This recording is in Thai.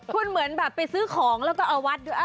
คุณเหมือนแบบไปซื้อของแล้วก็เอาวัดด้วย